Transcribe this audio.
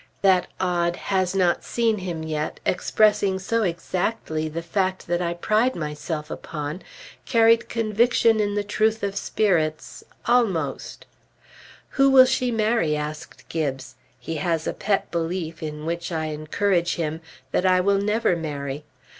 That odd "Has not seen him yet," expressing so exactly the fact that I pride myself upon, carried conviction in the truth of Spirits, almost. "Who will she marry?" asked Gibbes. (He has a pet belief, in which I encourage him, that I will never marry.)